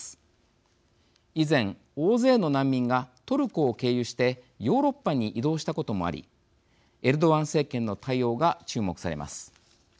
以前大勢の難民がトルコを経由してヨーロッパに移動したこともありエルドアン政権の対応が注目されます。